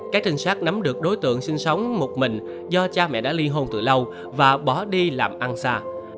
các trinh sát nắm được đối tượng sinh sống một mình do cha mẹ đã ly hôn từ lâu và bỏ đi làm ăn xa